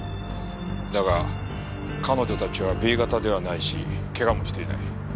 だが彼女たちはＢ型ではないし怪我もしていない。